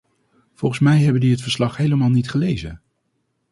Volgens mij hebben die het verslag helemaal niet gelezen.